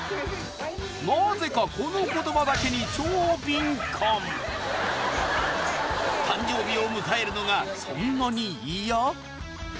なぜかこの言葉だけに超敏感誕生日を迎えるのがそんなにイヤ？